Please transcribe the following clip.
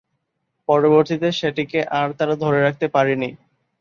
পরবর্তীতে সেটিকে আর তারা ধরে রাখতে পারেনি।